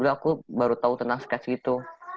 aku baru tahu tentang sketch gitu